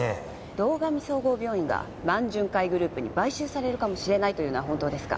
堂上総合病院が満潤会グループに買収されるかもしれないというのは本当ですか？